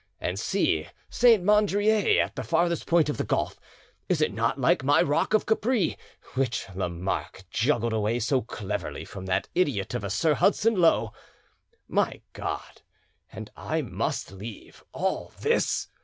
And see, Saint Mandrier at the farthest point of the gulf, is it not like my rock of Capri, which Lamarque juggled away so cleverly from that idiot of a Sir Hudson Lowe? My God! and I must leave all this!